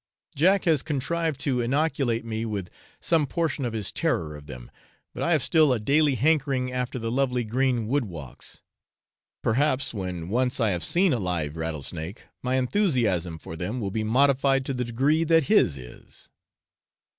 Jack has contrived to inoculate me with some portion of his terror of them; but I have still a daily hankering after the lovely green wood walks; perhaps when once I have seen a live rattlesnake my enthusiasm for them will be modified to the degree that his is.